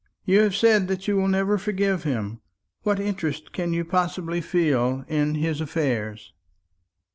"You have said that you will never forgive him. What interest can you possibly feel in his affairs?"